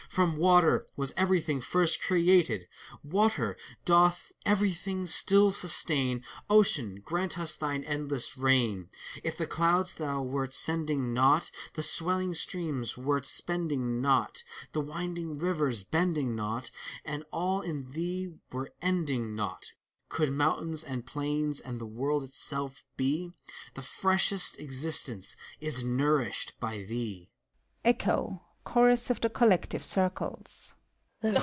From Water was everything first created! Water doth everything still sustain ! Ocean, grant us thine endless reign ! If the clouds thou wert sending not. The swelling streams wert spending not. The winding rivers bending not, And all in thee were ending not, Could mountains, and plains, and the world itself, bef Thr freshest existence is nourished by thee!